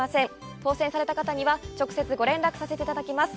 当せんされた方には、直接ご連絡させていただきます。